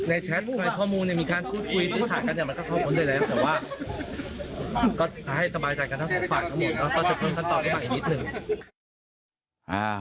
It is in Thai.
อ่า